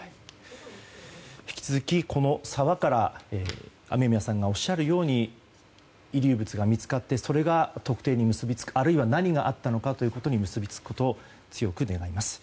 引き続き、この沢から雨宮さんがおっしゃるように遺留物が見つかってそれが特定に結び付くあるいは何があったかということに結びつくことを強く願います。